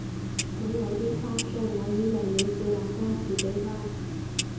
咁有啲誇張，我以為你小畫家自己拉